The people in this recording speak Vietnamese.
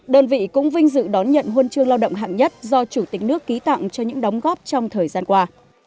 đơn vị cũng vinh dự đón nhận huân chương lao động hạng nhất do chủ tịch nước ký tặng cho những đóng góp trong thời gian qua